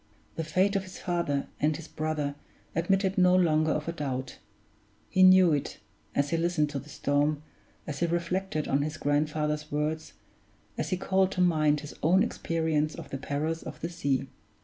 The fate of his father and his brother admitted no longer of a doubt; he knew it, as he listened to the storm, as he reflected on his grandfather's words, as he called to mind his own experience of the perils of the sea.